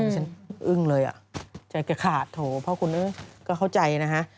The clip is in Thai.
ฉันอึ้งเลยอ่ะใจแกขาดโถเพราะคุณก็เข้าใจนะฮะ